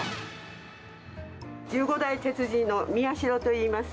１５代鉄人の宮城といいます。